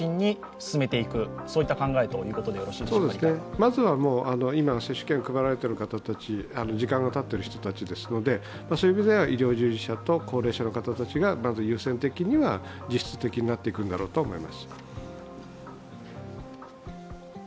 まずは、今接種券配られている方たち、時間がたっている人たちですので医療従事者と高齢者の方たちが優先的には、実質的になってくるだろうと思います。